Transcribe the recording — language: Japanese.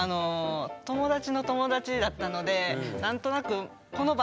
友達の友達だったので何となく空気もね。